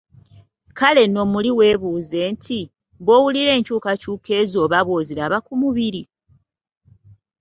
Kale nno muli weebuuze nti, bw'owulira enkyukakyuka ezo oba bw'oziraba ku mubiri?